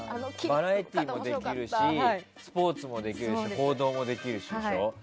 バラエティーもできるしスポーツもできるし報道もできるしでしょう。